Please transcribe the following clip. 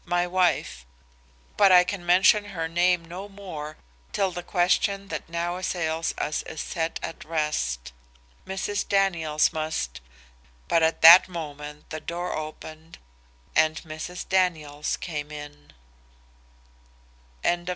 My wife But I can mention her name no more till the question that now assails us is set at rest. Mrs. Daniels must " But at that moment the door opened and Mrs. Daniels came in. CHAPTER XIV.